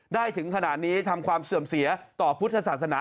ถึงขนาดนี้ทำความเสื่อมเสียต่อพุทธศาสนา